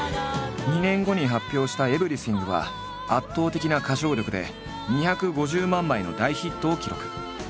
２年後に発表した「Ｅｖｅｒｙｔｈｉｎｇ」は圧倒的な歌唱力で２５０万枚の大ヒットを記録。